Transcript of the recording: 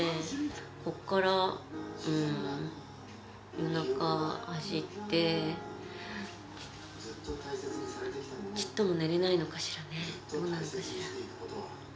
ここから夜中走って、ちっとも寝れないのかしらね、どうなのかしら。